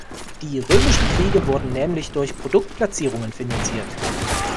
Die römischen Kriege wurden nämlich durch Produktplatzierungen finanziert.